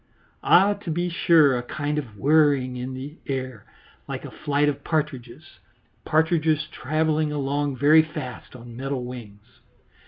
Ah! to be sure, a kind of whirring in the air like the flight of partridges partridges travelling along very fast on metal wings.